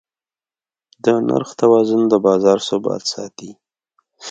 د نرخ توازن د بازار ثبات ساتي.